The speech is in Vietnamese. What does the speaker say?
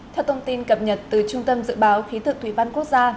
theo thông tin cập nhật từ trung tâm dự báo khí tượng thủy văn quốc gia